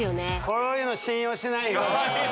こういうの信用しないよ